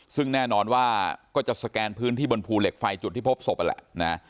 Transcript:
ซึ่งแน่นอนว่าก็จะสแกนพื้นที่บนภูเหล็กไฟจุดที่พบศพนั่นแหละนะ